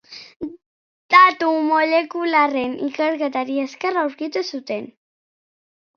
Datu molekularren ikerketari esker aurkitu zuten.